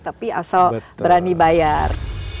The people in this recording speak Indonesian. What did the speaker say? tapi asal berani bayar